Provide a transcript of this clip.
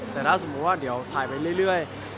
แต่ถ้าสมมุติว่าเดี๋ยวถ่ายไปเรื่อย